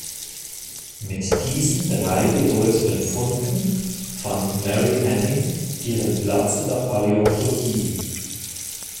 Mit diesen drei bedeutenden Funden fand Mary Anning ihren Platz in der Paläontologie.